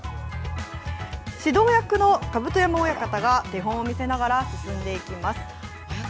指導役の甲山親方が手本を見せながら、進んでいきます。